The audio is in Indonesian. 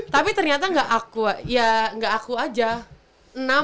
tapi ternyata gak aku ya gak aku aja